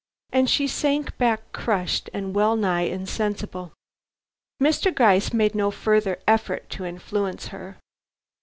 And she sank back crushed and wellnigh insensible. Mr. Gryce made no further effort to influence her.